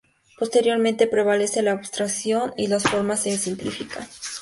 Posteriormente, prevalece la abstracción y las formas se simplifican.